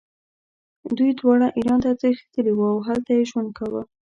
دوی دواړه ایران ته تښتېدلي وو او هلته یې ژوند کاوه.